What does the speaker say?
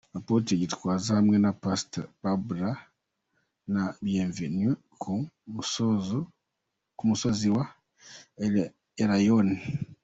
Apotre Gitwaza hamwe na Pastor Barbara na Bienvenu ku musozi wa Elayono.